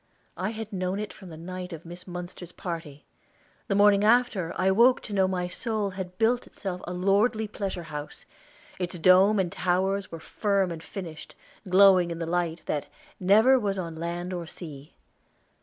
I had known it from the night of Miss Munster's party. The morning after I woke to know my soul had built itself a lordly pleasure house; its dome and towers were firm and finished, glowing in the light that "never was on land or sea."